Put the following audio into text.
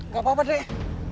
gak apa apa deh